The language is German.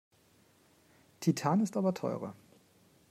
Titan ist aber teurer.